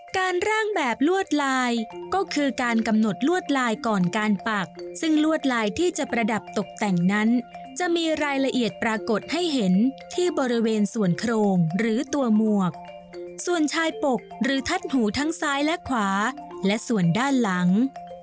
ร่างแบบลวดลายก็คือการกำหนดลวดลายก่อนการปักซึ่งลวดลายที่จะประดับตกแต่งนั้นจะมีรายละเอียดปรากฏให้เห็นที่บริเวณส่วนโครงหรือตัวหมวกส่วนชายปกหรือทัดหูทั้งซ้ายและขวาและส่วนด้านหลัง